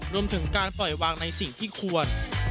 รวมถึงการปล่อยวางในสิ่งที่ควร